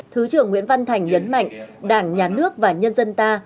thứ trưởng nguyễn văn thành nhấn mạnh đảng nhà nước và nhân dân ta